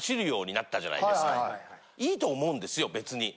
いいと思うんですよ別に。